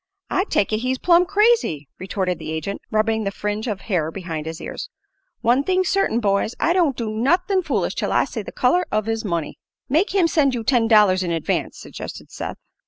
"I take it he's plumb crazy," retorted the agent, rubbing the fringe of hair behind his ears. "One thing's certain boys, I don't do nuthin' foolish till I see the color of his money." "Make him send you ten dollars in advance," suggested Seth.